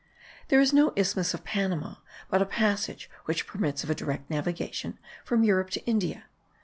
There is no isthmus of Panama, but a passage, which permits of a direct navigation from Europe to India.